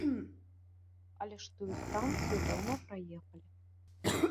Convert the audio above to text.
Але ж тую станцыю даўно праехалі.